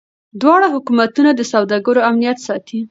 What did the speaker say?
دواړه حکومتونه د سوداګرو امنیت ساتي.